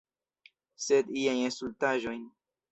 Sed iajn stultaĵojn.